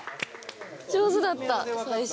上手だった最初。